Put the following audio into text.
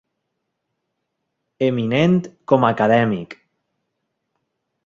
Eminent com a acadèmic.